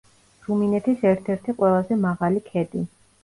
რუმინეთის ერთ-ერთი ყველაზე მაღალი ქედი.